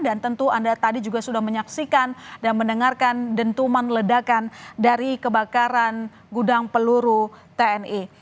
dan tentu anda tadi juga sudah menyaksikan dan mendengarkan dentuman ledakan dari kebakaran gudang peluru tni